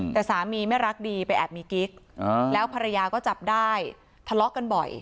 แต่สามีไม่รักดีไปแอบมีกิ๊กแล้วภรรยาก็จับได้ทะเลาะกันบ่อย